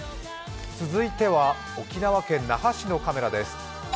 続いては沖縄県那覇市のカメラです。